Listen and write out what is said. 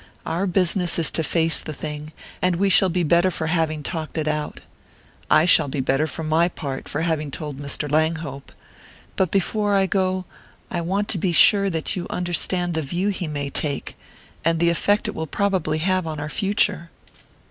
Our business is to face the thing, and we shall be better for having talked it out. I shall be better, for my part, for having told Mr. Langhope. But before I go I want to be sure that you understand the view he may take...and the effect it will probably have on our future."